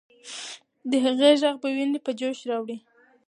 د هغې ږغ به ويني په جوش راوړي.